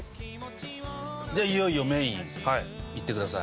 でいよいよメインいってください。